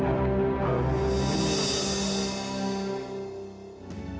gobi aku mau ke rumah